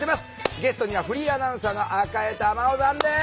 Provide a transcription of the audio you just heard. ゲストにはフリーアナウンサーの赤江珠緒さんです。